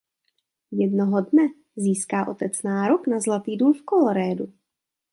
Jednoho dne získá otec nárok na zlatý důl v Coloradu.